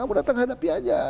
kamu datang hadapi aja